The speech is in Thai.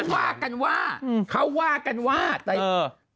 ว่ากันว่าเขาว่ากันว่าแต่เออ